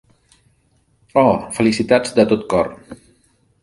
Oh! Felicitats de tot cor.